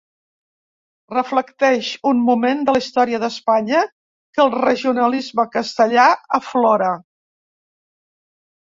Reflecteix un moment de la història d'Espanya que el regionalisme castellà aflora.